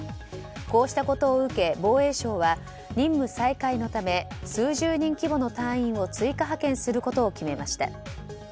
こうしたことを受け、防衛省は任務再開のため数十人規模の隊員を追加派遣することを決めました。